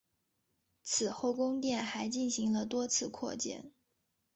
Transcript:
此后宫殿还进行了多次扩建。